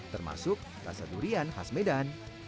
termasuk rasa durian khas medan